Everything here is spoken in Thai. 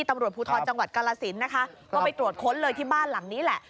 ตำรวจภูทรจังหวัดกาลสินนะคะก็ไปตรวจค้นเลยที่บ้านหลังนี้แหละ